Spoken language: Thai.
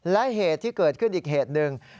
และเหตุที่เกิดขึ้นอีกเหตุหนึ่ง